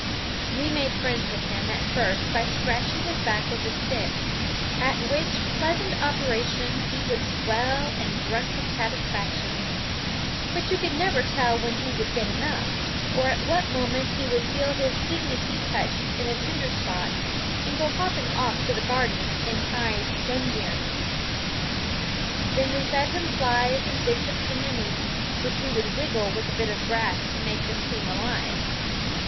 We made friends with him at first by scratching his back with a stick, at which pleasant operation he would swell and grunt with satisfaction. But you could never tell when he would get enough, or at what moment he would feel his dignity touched in a tender spot and go hopping off to the garden in high dudgeon. Then we fed him flies and bits of tender meat, which we would wiggle with a bit of grass to make them seem alive.